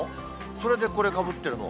それでこれかぶってるの？